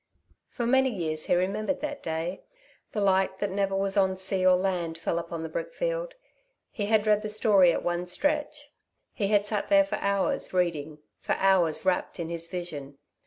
For many years he remembered that day. The light that never was on sea or land fell upon the brickfield. He had read the story at one stretch. He had sat there for hours reading, for hours rapt in his Vision.